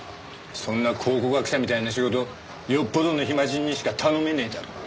そんな考古学者みたいな仕事よっぽどの暇人にしか頼めねえだろ。